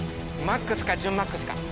マックスか準マックスか。